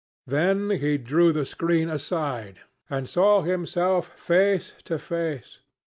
Then he drew the screen aside and saw himself face to face.